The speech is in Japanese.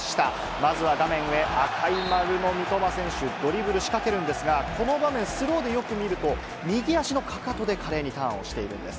まずは画面上、赤い丸の三笘選手、ドリブル仕掛けるんですが、この場面、スローでよく見ると、右足のかかとで華麗にターンをしてるんです。